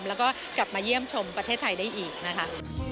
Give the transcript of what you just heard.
แล้วก็กลับมาเยี่ยมชมประเทศไทยได้อีกนะคะ